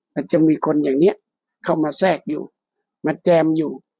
มันจะมีคนอย่างนี้เข้ามาแทรกอยู่มาแจมอยู่